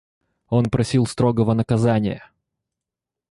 Он просил строгого наказания.